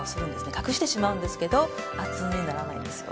隠してしまうんですけど厚塗りにならないんですよ。